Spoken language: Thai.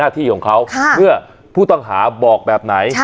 แล้วก็ไปซ่อนไว้ในคานหลังคาของโรงรถอีกทีนึง